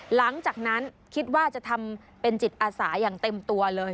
หลังจากนั้นคิดว่าจะทำเป็นจิตอาสาอย่างเต็มตัวเลย